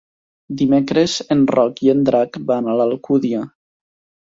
Dimecres en Roc i en Drac van a l'Alcúdia.